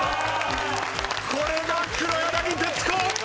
これが黒柳徹子！